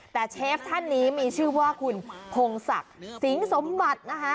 แต่เชฟท่านนี้มีชื่อว่าคุณพงศักดิ์สิงสมบัตินะคะ